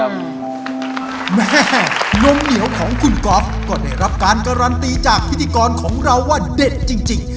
แม่นมเหนียวของคุณก๊อฟก็ได้รับการการันตีจากพิธีกรของเราว่าเด็ดจริง